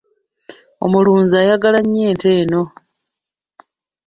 Omulunzi ayagala nnyo ente eno.